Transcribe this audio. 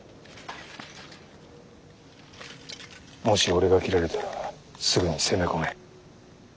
もし俺が斬られたらすぐに攻め込め。